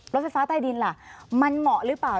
รถไฟฟ้าใต้ดินล่ะมันเหมาะหรือเปล่า